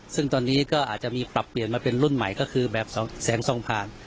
ซึ่งตอนนี้ก็อาจจะมีปรับเปลี่ยนมาเป็นรุ่นใหม่ก็คือแบบแสงส่องผ่าน